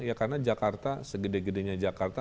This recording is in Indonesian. ya karena jakarta segede gedenya jakarta